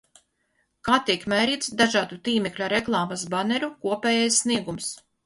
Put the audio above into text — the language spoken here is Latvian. Kā tiek mērīts dažādu tīmekļa reklāmas baneru kopējais sniegums?